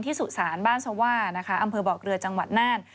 สุสานบ้านสว่านะคะอำเภอบอกเรือจังหวัดน่าน